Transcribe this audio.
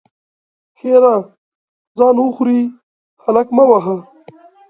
ښېرا: ځان وخورې؛ هلک مه وهه!